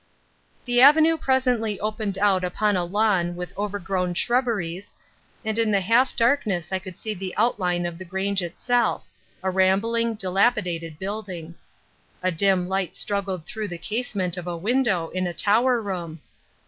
The avenue presently opened out upon a lawn with overgrown shrubberies, and in the half darkness I could see the outline of the Grange itself, a rambling, dilapidated building. A dim light struggled through the casement of a window in a tower room.